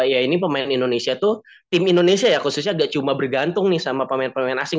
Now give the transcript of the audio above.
ya ini pemain indonesia tuh tim indonesia ya khususnya gak cuma bergantung nih sama pemain pemain asing